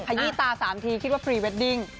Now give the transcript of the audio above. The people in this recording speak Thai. ขยี้ตา๓ทีคิดว่าพรีเวดดิ้ง